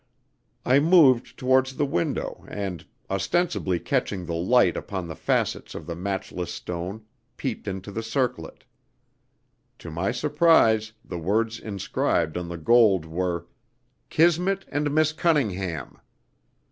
I moved towards the window and, ostensibly catching the light upon the facets of the matchless stone, peeped into the circlet. To my surprise the words inscribed on the gold were "Kismet and Miss Cunningham."